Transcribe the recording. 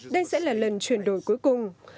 đây sẽ là lần chuyển đổi cuối cùng